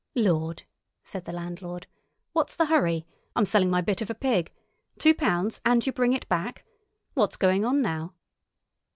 "Lord!" said the landlord; "what's the hurry? I'm selling my bit of a pig. Two pounds, and you bring it back? What's going on now?"